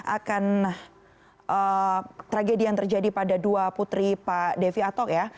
akan tragedi yang terjadi pada dua putri pak devi atok ya